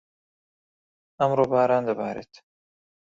ئەمڕۆ، باران دەبارێت.